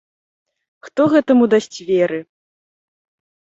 Хто гэтаму дасць веры!